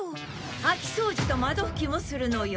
掃き掃除と窓拭きもするのよ。